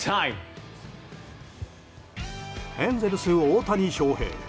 エンゼルス、大谷翔平。